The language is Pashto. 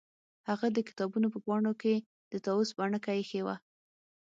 هغه د کتابونو په پاڼو کې د طاووس بڼکه ایښې وه